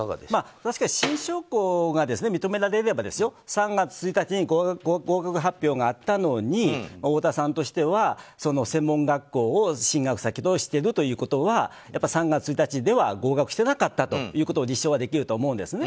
確かに新証拠が認められれば３月１日に合格発表があったのに太田さんとしては、専門学校を進学先としているということは３月１日では合格していなかったことを立証できるとは思うんですね。